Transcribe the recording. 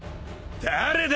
誰だ？